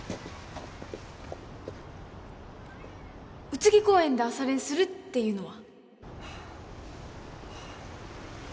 空木公園で朝練するっていうのは